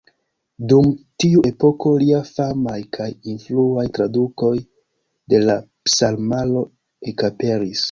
Dum tiu epoko lia famaj kaj influaj tradukoj de la Psalmaro ekaperis.